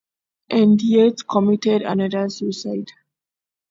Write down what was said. And yet another committed suicide.